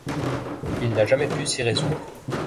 Il n’a jamais pu s’y résoudre.